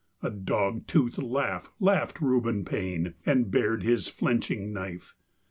A dog toothed laugh laughed Reuben Paine, and bared his flenching knife.